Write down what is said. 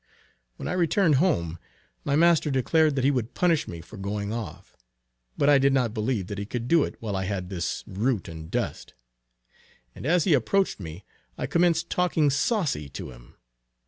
When I returned home, my master declared that he would punish me for going off; but I did not believe that he could do it while I had this root and dust; and as he approached me, I commenced talking saucy to him.